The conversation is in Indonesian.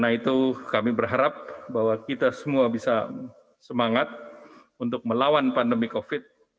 karena itu kami berharap bahwa kita semua bisa semangat untuk melawan pandemi covid